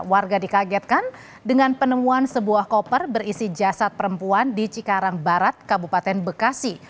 warga dikagetkan dengan penemuan sebuah koper berisi jasad perempuan di cikarang barat kabupaten bekasi